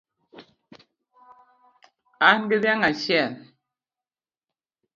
An gi dhiang' achiel